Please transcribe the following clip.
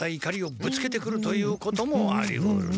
ぶつけてくるということもありうるな。